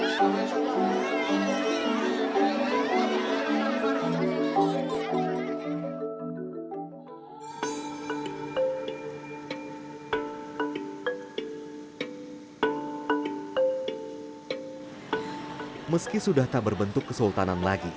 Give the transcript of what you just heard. ketika diberikan kekuatan